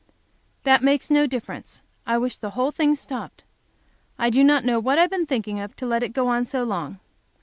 "That makes no difference. I wish the whole thing stopped. I do not know what I have been thinking of to let it go on so long.